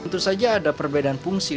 tentu saja ada perbedaan fungsi